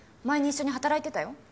前に一緒に働いてたよ。